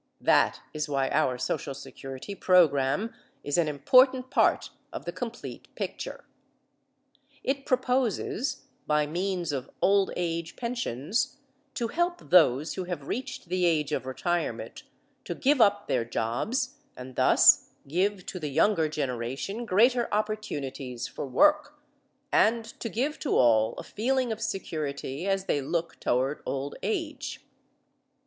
That is why our social security program is an important part of the complete picture. It proposes, by means of old age pensions, to help those who have reached the age of retirement to give up their jobs and thus give to the younger generation greater opportunities for work and to give to all a feeling of security as they look toward old age.